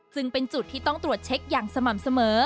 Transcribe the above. จึงเป็นจุดที่ต้องตรวจเช็คอย่างสม่ำเสมอ